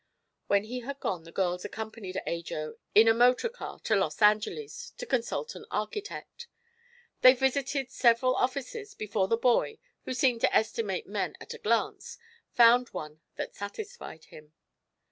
When he had gone the girls accompanied Ajo in a motorcar to Los Angeles, to consult an architect. They visited several offices before the boy, who seemed to estimate men at a glance, found one that satisfied him.